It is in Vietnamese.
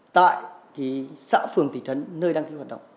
tại xã phường thị trấn nơi đăng ký hoạt động